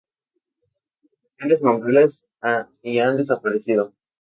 Las vocales mongolas y han desaparecido.